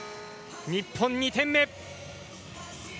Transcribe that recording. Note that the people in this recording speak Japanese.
日本、２点目。